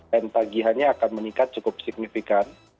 dan tagihannya akan meningkat cukup signifikan